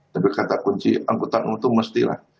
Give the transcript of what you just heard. tapi kata kunci angkutan untuk mestilah